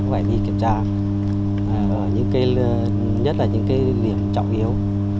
phải đi kiểm tra nhất là những cái điểm trọng yếu